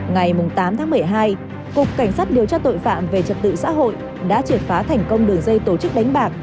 ngày tám tháng một mươi hai cục cảnh sát điều tra tội phạm về trật tự xã hội đã triệt phá thành công đường dây tổ chức đánh bạc